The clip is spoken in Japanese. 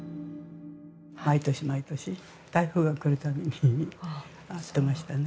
毎年毎年、台風が来るたびに遭ってましたね。